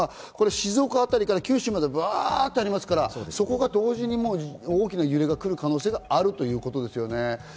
静岡あたりから九州までばっとありますから、そこが同時に大きな揺れが来る可能性があるということですよね。